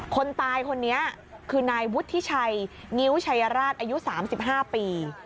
คนตายคนนี้คือนายวุฒิชัยงิ้วชัยราชอายุ๓๕ปี